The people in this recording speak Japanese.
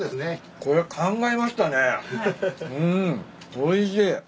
おいしい。